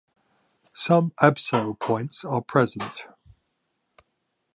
Some abseil points are present.